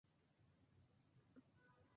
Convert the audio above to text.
কিছু উৎসে তার নাম উমর উল্লেখ করা হয়েছে।